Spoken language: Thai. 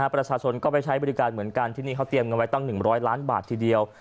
ประชาชนก็ไปใช้บริการเหมือนกันที่นี่เขาเตรียมกันไว้ตั้ง๑๐๐ล้านบาททีเดียว